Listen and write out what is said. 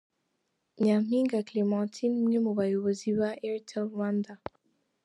Nyampinga Clementine umwe mu bayobozi ba Airtel Rwanda.